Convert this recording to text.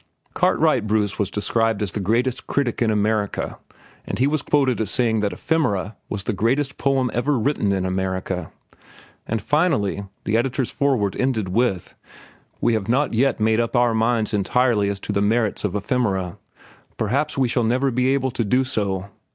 Cartwright Bruce was described as the greatest critic in America, and he was quoted as saying that "Ephemera" was the greatest poem ever written in America. And finally, the editor's foreword ended with: "We have not yet made up our minds entirely as to the merits of "Ephemera"; perhaps we shall never be able to do so.